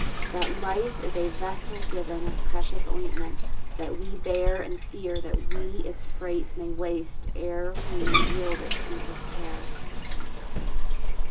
That life is as a vessel given Of precious ointment, that we bear And fear that we its freight may waste Ere we may yield it to His care!